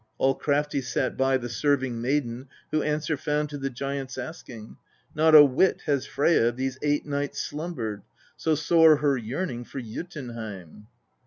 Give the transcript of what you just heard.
28. All crafty sat by the serving maiden, who answer found to the giant's asking :' Not a whit has Freyja these eight nights slumbered, so sore her yearning for Jotunheim.'